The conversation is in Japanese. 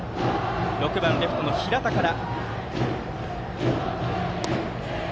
６番、レフトの平太から。